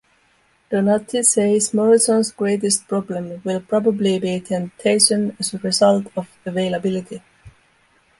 Donatti says Morrison's greatest problem will probably be temptation as a result of availability.